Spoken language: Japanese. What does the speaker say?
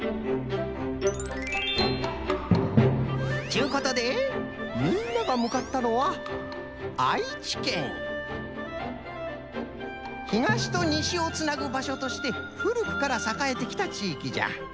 ちゅうことでみんながむかったのはひがしとにしをつなぐばしょとしてふるくからさかえてきた地域じゃ。